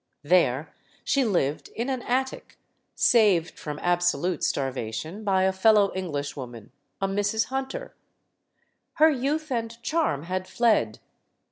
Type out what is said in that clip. There she lived in an attic, saved from absolute star vation by a fellow Englishwoman, a Mrs. Hunter. Her youth and charm had fled.